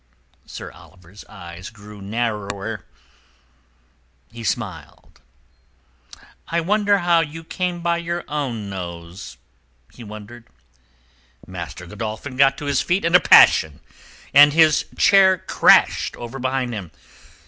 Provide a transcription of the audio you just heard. Sir Oliver's eyes grew narrower: he smiled. "I wonder how you came by your own nose?" he wondered. Master Godolphin got to his feet in a passion, and his chair crashed over behind him.